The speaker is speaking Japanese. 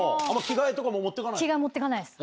着替えとかも持って行かないの？